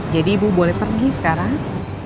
jadi ibu boleh pergi sekarang